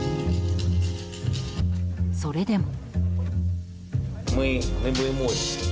それでも。